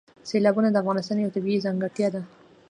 سیلابونه د افغانستان یوه طبیعي ځانګړتیا ده.